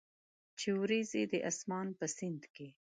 چې اوریځي د اسمان په سیند کې،